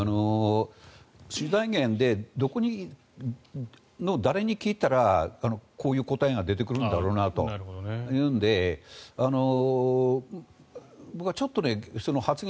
取材源でどこの誰に聞いたらこういう答えが出てくるんだろうなというので僕はちょっと発言